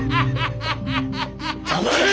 黙れ！